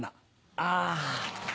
ああ。